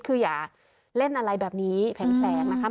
คืออย่าเล่นอะไรแบบนี้แผงนะคะ